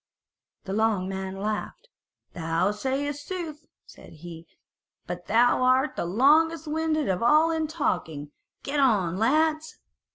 The long man laughed; "Thou sayest sooth," said he, "but thou art the longest winded of all in talking: get on, lads."